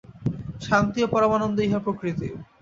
শান্তি ও পরমানন্দই ইহার প্রকৃতি।